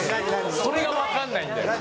それがわかんないんだよ。